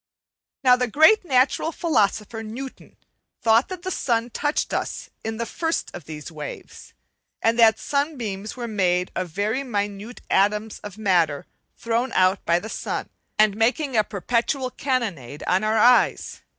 Now the great natural philosopher Newton thought that the sun touched us in the first of these ways, and that sunbeams were made of very minute atoms of matter thrown out by the sun, and making a perpetual cannonade on our eyes.